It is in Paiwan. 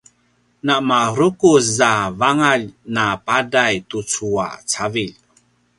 na marukuz a vangalj na padai tucu a cavilj